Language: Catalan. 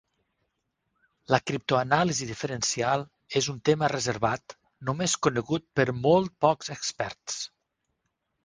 La criptoanàlisi diferencial és un tema reservat només conegut per molt pocs experts.